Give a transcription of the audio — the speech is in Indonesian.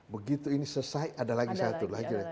begitu ini selesai ada lagi satu lagi